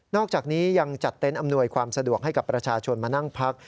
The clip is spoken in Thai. อกจากนี้ยังจัดเต็นต์อำนวยความสะดวกให้กับประชาชนมานั่งพัก